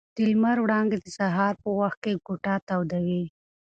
د لمر وړانګې د سهار په وخت کې کوټه تودوي.